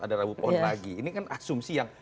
ada rabu pon lagi ini kan asumsi yang